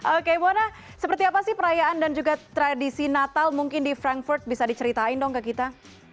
oke bu anna seperti apa sih perayaan dan juga tradisi natal mungkin di frankfurt bisa diceritain dong ke kita